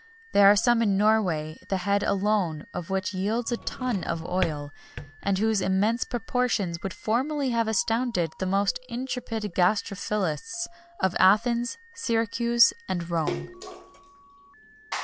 There are some in Norway, the head alone of which yields a tun of oil,[XXI 40] and whose immense proportions would formerly have astonished the most intrepid gastrophilists of Athens, Syracuse, and Rome.